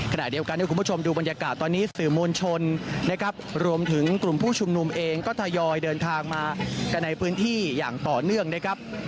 ขณะเดียวกันให้คุณผู้ชมดูบรรยากาศตอนนี้สื่อมวลชนนะครับรวมถึงกลุ่มผู้ชุมนุมเองก็ทยอยเดินทางมากันในพื้นที่อย่างต่อเนื่องนะครับ